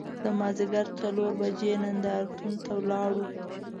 د مازدیګر څلور بجې نندار تون ته لاړو.